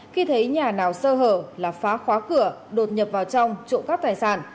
khi thấy nhà nào sơ hở là phá khóa cửa đột nhập vào trong trộm cắp tài sản